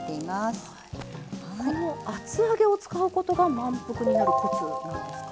ここも厚揚げを使うことがまんぷくになるコツなんですか？